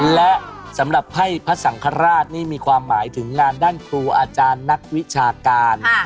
และสำหรับให้พระสังฆราชนี่มีความหมายถึงงานด้านครูอาจารย์นักวิชาการ